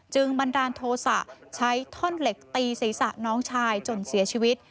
บันดาลโทษะใช้ท่อนเหล็กตีศีรษะน้องชายจนเสียชีวิต